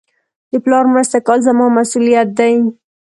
د پلار مرسته کول زما مسئولیت دئ.